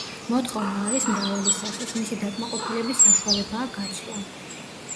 მოთხოვნა არის მრავალი სახის, მისი დაკმაყოფილების საშუალებაა გაცვლა.